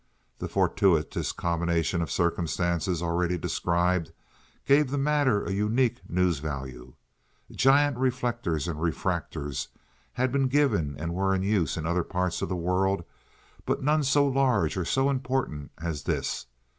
The fortuitous combination of circumstances already described gave the matter a unique news value. Giant reflectors and refractors had been given and were in use in other parts of the world, but none so large or so important as this.